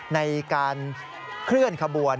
ในการเคลื่อนขบวน